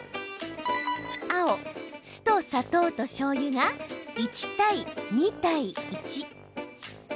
青・酢と砂糖としょうゆが１対２対１。